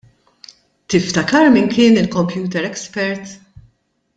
Tiftakar min kien il-computer expert?